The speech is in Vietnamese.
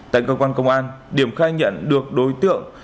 tại cơ quan công an điểm khai nhận được đối tượng